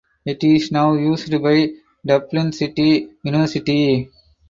It is now used by Dublin City University.